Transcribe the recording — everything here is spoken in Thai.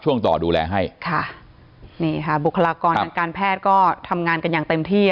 ช่วงต่อดูแลให้ค่ะนี่ค่ะบุคลากรทางการแพทย์ก็ทำงานกันอย่างเต็มที่